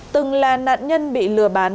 từng là nạn nhân bị lừa bán